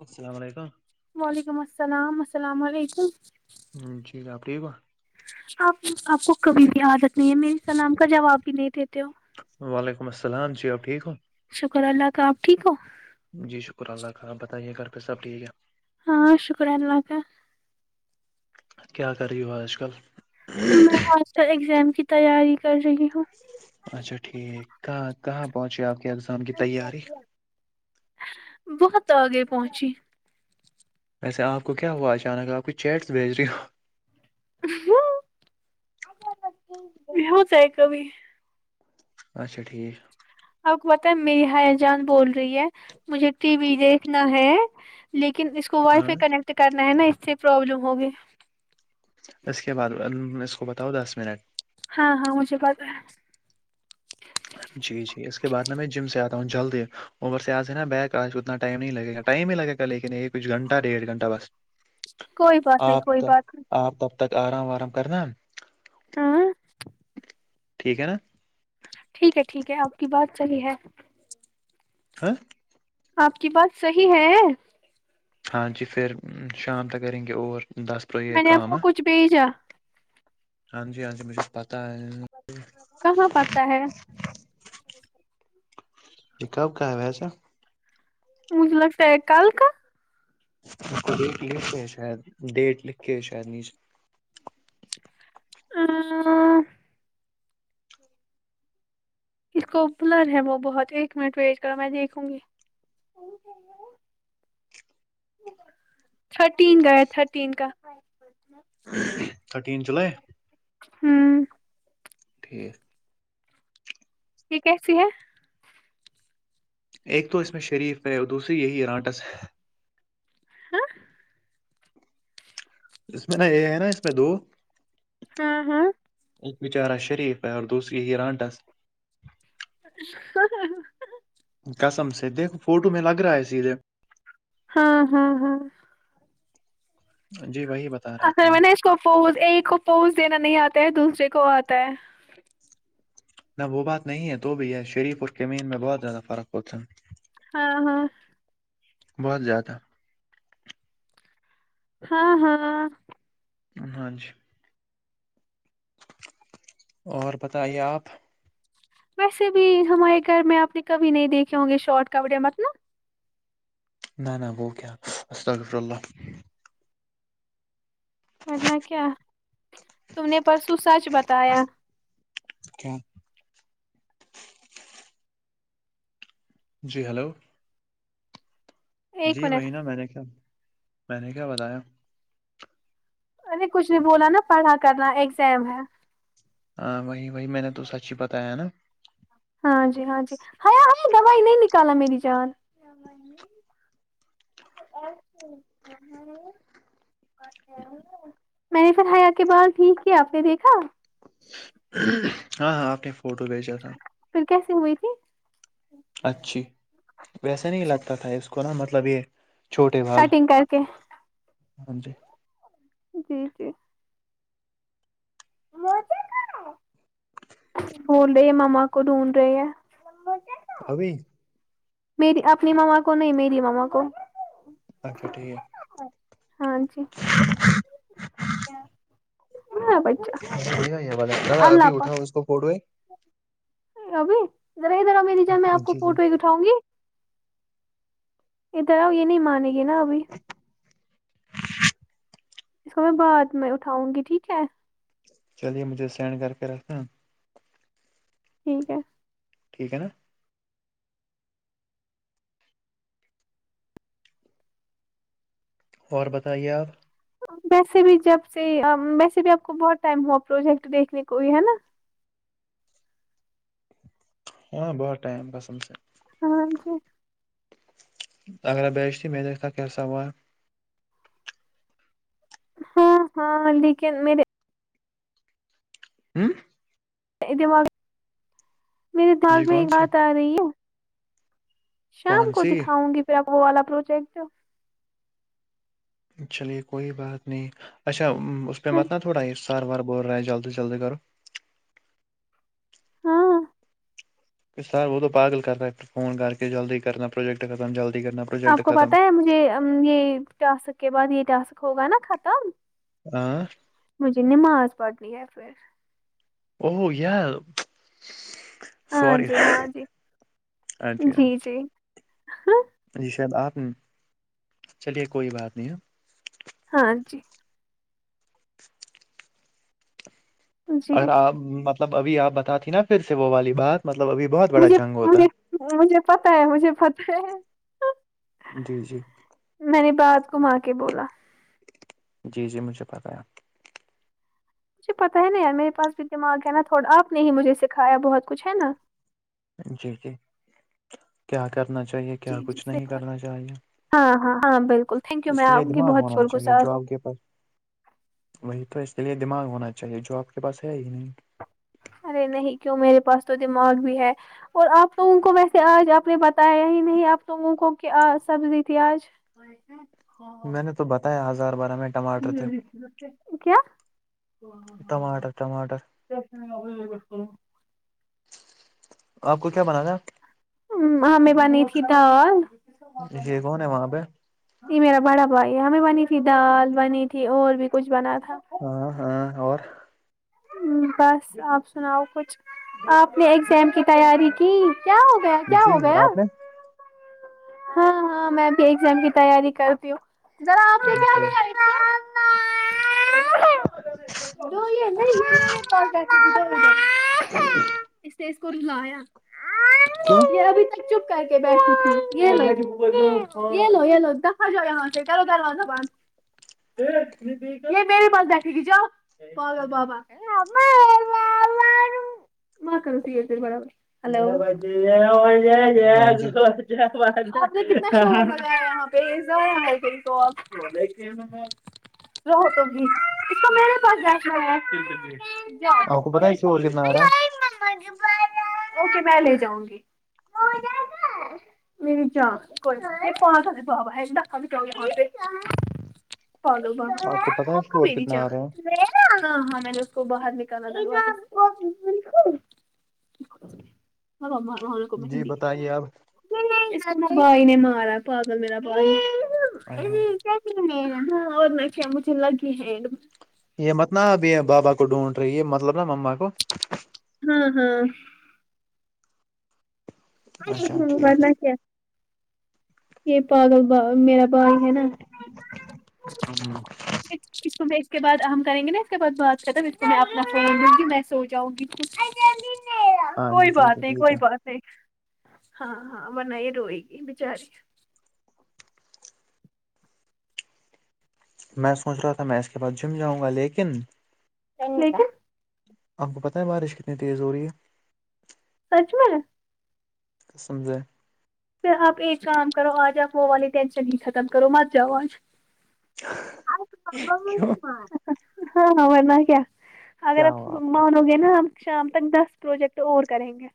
السلام و علیکم وعلیکم السلام السلام علیکم ہم جی آپ ٹھیک ہوا آپ آپ کو کبھی بھی عادت نہیں ہے میری سلام کا جواب بھی نہیں دیتے ہو وعلیکم السلام جی آپ ٹھیک ہو شکر اللہ کا آپ ٹھیک ہو جی شکر اللہ کا آپ بتائیے گھر پہ سب ٹھیک ہے ہاں شکر اللہ کا کیا کر رہی ہو آج کل میں آج کل اگزام کی تیاری کر رہی ہوں اچھا ٹھیک کہاں کہاں پہنچے آپ کے اگزام کی تیاری بہت آگئے پہنچی ویسے آپ کو کیا ہوا اچانک آپ کی چیٹس بھیج رہی ہو [unintelligible] اچھا ٹھیک آپ کو بتائ میری ہیا جان بول رہی ہے مجھے ٹی وی دیکھنا ہے لیکن اس کو وائی ہاں فائی کنیکٹ کرنا ہے نا اس سے پروابلم ہوگے اس کے بعد اس کو بتاؤ دس منٹ ہاں ہاں مجھے پتا ہے جی جی اس کے بعد ن میں جم سے آتا ہوں جلد ہی اور سے آج نا بیک آج اتنا ٹائم نہیں لگے گا ٹائم ہی لگے گا لیکن ایک کچھ گھنٹہ ڈیڑھ گھنٹہ بس کوئی بات نہیں کوئی آپ بات نہیں آپ تب تک آام وارام کرنا ہاں ٹھیک ہے نا ٹھیک ہے ٹھیک ہے آپ کی بات صحیح ہے ہاں آپ کی بات صحیح ہے ہاں جی پھر شام تک کریں گے اور دس پرو یہ میں نے آپ کام ہے کو کچھ بھیجا ہاں جی ہاں جی مجھے پتا ہے کہاں پتہ ہے کب کہا ویسا مجھے لگتا ہے کل کا ڈیٹ لکھ کے شاید ڈیٹ لکھ کے ہے شاید نیچ اں اس کو بلر ہے وہ بہت ایک منٹ ویٹ کرو میں دیکھوں گی [unintelligible] تھرٹین گیا تھرٹین کا تھرٹین جولائی ہوں ٹھیک یہ کیسی ہے ایک تو ا اس میں شریف پہ اور دوسری یہی رانٹس ہاں اس میں نا یہ ہے نا اس میں دو ہاں ہاں ایک بچارہ شریف ہے اور دوسری رانٹس ہ ہ ہ قسم سے دیکھو فوٹو میں لگ رہا ہے سیدھے ہاں ہاں ہاں جی وہی بت اصل میں نے اس کو پوز ایک کو پوز دینا نہیں آتا ہے دوسرے کو آتا ہے نہ وہ بات نہیں ہے تو بھی ہے شریف اور کمین میں بہت زیادہ فرق ہوتا ہے ہاں ہاں بہت زیادہ ہاں ہاں ہاں جی اور بتائیے آپ ویسے بھی ہمارے گھر میں آپ نے کبھی نہیں دیکھے ہوں گے شارٹ کپڑے مطلب نہ نہ وہ کیا استغفر اللہ ورنہ کیا تم نے پرسوں سچ بتایا اچھا جی ہلو ایک جی منٹ وہی نا میں نے کیا میں نے کیا بتایا ارے کچھ نہیں بولا نا پڑھا کرا ایگزام ہے ہاں وہی وہی میں نے تو سچ ہی بتایا نا ہاں جی ہاں جی ہیا ام دوائی نہیں نکالنا میری جان [unintelligible] میں نے پھر ہیا کے باہر ٹھیک کیا آپ نے دیکھا ہاں ہاں آپ نے فوٹو بھیجا تھا پھر کیسی ہوئی تھی اچھی ویسا نہیں اچھا لگتا تھا اس کو نا مطلب یہ چھوٹے بال کٹنگ کر کے ہاں جی جی جی [unintelligible] بول رہے ہے ماما کو ڈھونڈ رہے ہیں ابھی میری اپنی ماما کو نہیں میری ماما کو اچا ٹھیک ہاں جی [unintelligible] بڑھیا یہ والا اللہ ابھی اٹھا پاک اس کو پڈوئے ابھی ذرا ادھر او میری جان میں آپ کو جی جی فوٹو اٹاؤں گی ادھر اؤ یہ نہیں مانیں گے نا ابھی اس کو میں بعد میں اٹھاؤں گی ٹھیک ہے چلیے مجھے سینڈ کر کے رکھنا ٹھیک ہے ٹھیک ہے نا اور بتائیے آپ ویسے بھی جب سے مسجد بھی آپ کو بہت ٹائم ہوا پروجیکٹ دیکھنے کو ہے نا ہاں بہت اہم کسم سے ہاں انکو اگر بیچی میں دیکھا تھا کیا سوا ہاں ہاں لیکن میرے ہممم دماغ میرے دھیان جی میں ایک کون سی بات آ رہی ہے شام کون کو سی دکھاؤں گی پھر آپ وہ والا پروجیکٹ چلیے کوئی بات نہیں اچھا اس پہ متنا تھوڑا عرس بار بار بول رہے ہیں جلدی جلدی کرو ہاں سر وہ تو پاگل کرئے فون کر کے جلدی کرنا پروجیکٹ ختم جلدی کرنا پروجیکٹ آپ کو ختم پت ہے مجھے یہ ٹاسک کے بعد یہ ٹسک ہوگا نہ ختم [unintelligible] مجھے نماز پڑھنی ہے پھر او یہ ہاں سوری جی ہاں جی اچھا جی جی ہاں جی شاید آپ چلیے کوئی بات نہیں ہے ہاں جی جی اگر آپ مطلب ابھی آپ بتاتی نا پھر سے وہ والی بات مطلب ابھی بہت بڑا جنگ ہوتا مجھےمج مجھے پتا ہے مجھے پتا ہے جی جی میں نے بعد کما کے بولا جی جی مجھے پتاہ ہے مجھے پتا ہے نہیں میرے پاس بھی دماغ ہے نہ تھوڑا آپ نے ہی مجھے سکھایا بہت کچھ ہے نہ جی کے کیا کرنا چاہیے جی کیا جی کچھ نہیں صحیح بات کرنا چاہیے ہاں ہاں ہاں بالکل تھینک یو اس میں کے آپ لیئے کی دماغ بہت ہونا شکر چاہیے گزار جو ہوں آپ کے پر وہی تو اس لیے دماغ ہونا چاہیے جو آپ کے پاس ہے ہی نہیں ارے نہیں کیوں میرے پاس تو دماغ بھی ہے اور آپ تو ان کو ویسے آج آپ نے بتایا ہی نہیں آپ تو ان کو کیا سبزی تھی آج میں نے تو بتایا ہزار بار ہمیں کیا ٹماٹر ٹماٹر دس منٹ بھی نہیں لگتے آپ کو کیا بنانا ھمم ہمیں بنی تھی دال یہ کون ہے وہاں پہ یہ میرا بڑا بھائی ہے ہمیں بنی تھی دال بنی تھی اور بھی کچھ بنا تھا ہاں ہاں اور بس آپ سناؤ کچھ آپ نے اگزام کی تیاری کی کیا ہو گیا کیا جی ہو گیا آپ نے ہاں ہاں میں بھی ایگزام کی تیاری کرتی ہوں ٹھیک [unintelligible] [unintelligible] اس نیں اس کو رلایا کیوں یہ ابھی تک چپ کر کے بیٹھی تھی یہ لو یہ لو یہ لو دفا ہو جاؤ یہاں سے کرو دروازہ بند یہ میرے پاس بیٹھے گی جاؤ کھالو بابا ما کرتی ہے دل بڑا ہیلو ہاں جی آپنے کتنا فون لگایا وہا پے ایک زیا ہے پھر تو اب رات ہوگئی اس کو میرے پاس بیٹھنا ہے آپ کو پتا ہے شور کتنا آ رہا ہے اوکے میں لے جاؤں گی ہاں میری جان کوئی آپ کو پتا ہے شور کتنا آ رہا [unintelligible] [unintelligible] [unintelligible] [inaudible] [unintelligible] جی بتائیے آپ نا بھائی نے مارا ہے پاگل میرا بھائی ہاں اور نہ کیا مجھے لگی ہیں یہ مت نا اب یہ بابا کو ڈھونڈ رہی ہے یہ مطلب نا مما کو ہاں ہاں اچھا ٹھیک منا کیا یہ پاگل با میرا بھای ہے نا ہے، اس کو میں اس کے بعد ہم کریں گے نا اس کے بعد بات ختم اس سمے اپنا فون لوں گی میں سو جاؤں گی ہاں جی کوئی ٹھیک بات ہے نہیں ٹھیک کوئی ہے بات نہیں ہاں ہاں ورنہ یہ روئے گی بچاری میں سوچ رہا تھا میں اس کے بعد جم جاؤں گا لیکن لیکن آپ کو پتہ ہے بارش کتنی تیز ہو رہی ہے سچ میں قسم سے پھر آپ ایک کام کرو آج آپ وہ والی ٹینشن ہی ختم کرو مت جاؤ آج کیوں؟ ہاں ہاں ورنہ کیا اگر کیا آپ ہوا کو مانو گے نا ہم شام تک دس پروجیکٹ اور کریں گے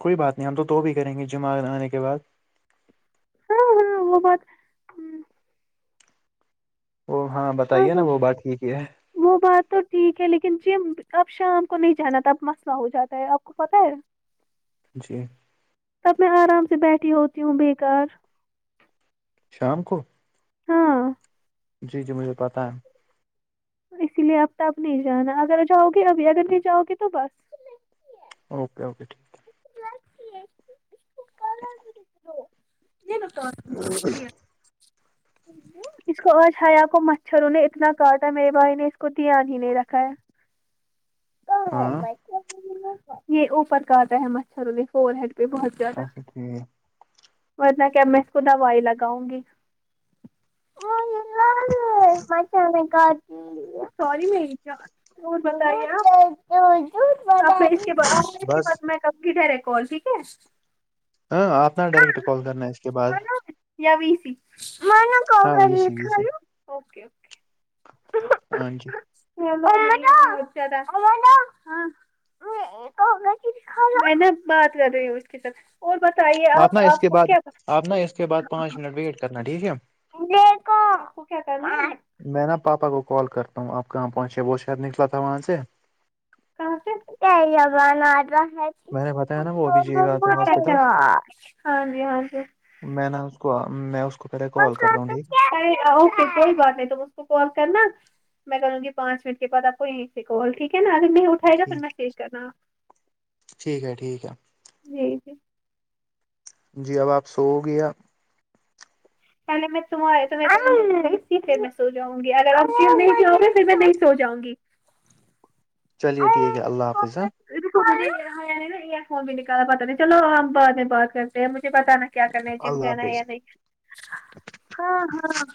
کوئی بات نہیں ہم تو بھی کریں گے جمران آنے کے بعد ہاں ہاں وہ بات ہاں وہ ہاں بتائیے نا ہاں وہ بات ٹھیک ہی ہے وہ بات تو ٹھیک ہے لیکن جم اب شام کو نہیں جانا تھا اب مسئلہ ہو جاتا ہے آپ کو پتہ ہے جی تب میں آرام سے بیٹھی ہوتی ہوں بے کار شام کو ہاں جی جی مجھے پتہ ہے اسی لیے اب تا اب نہیں جانا اگر جاؤ گے ابھی اگر نہیں جاؤ گے تو بس اوکے اوکے ٹھیک [unintelligible] [inaudible] اس کو آج ہیا کو مچھروں نے اتنا کاٹا میرے بھائی نے اس کو دھیان ہی نہیں رکھا ہے [inaudible] ہاں یہ اوپر کاٹا ہے مچھروں فور ہیڈ پہ بہت زیادہ اچھا ٹھیک ورنہ کیا میں اس کو دوائی لگاؤں گی ہیا [unintelligible] مچھروں نے کاٹ سوری میری جان اور بتائیں آپ اب میں اس کے بعد اسکے بس بعد کرتی ڈائرکٹ کال ٹھیک ہے ہاں آپ نا ڈائریکٹ کال کرنا اس کے بعد یا ویسی ہاں ویسی ویسی ہاں جی ہاں میں کہوں گا کہکھاؤ میں نا بات کر رہی ہوں اس کے ساتھ اور بتائیے آپ نا اس کے کو بعد کیا آپ نا اس کے بعد پانچ منٹ ویٹ کرنا ٹھیک ہے دیکھو آپ کو کیا کرنا ہے میں نا پاپا کو کال کرتا ہوں آپ کہاں پہنچے وہ شاید نکلا تھا وہاں سے کہاں سے میں [unintelligible] نے بتایا نا کچھ وہ ابھی جی آتے ہیں اچھا ہاسپٹل اچھا ہاں جی ہاں جی میں نا اس کو ام میں اس کو پہلے کال کرتا ہوں ٹھیک ارے اوکے کوئی بات نہیں تم اس کو کال کرنا میں کروں گی پانچ منٹ کے بعد آپ کو یہیں سے کال ٹھیک ہے نا اگر نہیں ہے اٹھائے گا پھر ٹھیک مسیج کرنا ٹھیک ہے ٹھیک ہے جی جی جی اب آپ سو گیا پہلے میں تمہارئے تی پے میں سو جاؤں گی اگر آپ جم نہیں چاو گے پھر میں نہیں سو جاؤں گی چلیے ٹھیک ہے اللہ حافظ ہاں یہ فون بھی نہیں کرا پتہ نہیں چلو ہم بعد میں بات کر تے ہیں مجھے بتانا کیا کرنا ہے جم اللہ جانا ہے حافظ یا نہیں ہاں ہاں